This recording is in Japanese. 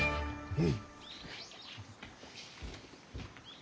うん！